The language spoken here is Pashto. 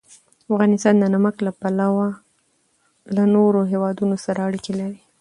افغانستان د نمک له پلوه له نورو هېوادونو سره اړیکې لري.